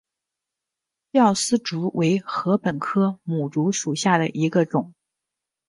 吊丝竹为禾本科牡竹属下的一个种。